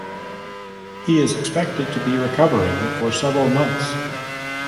He is expected to be recovering for several months.